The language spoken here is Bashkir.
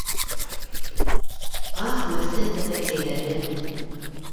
Аһ, меҫкен тәпәйкәйҙәрем!